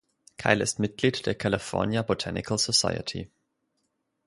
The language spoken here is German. Keil ist Mitglied der California Botanical Society.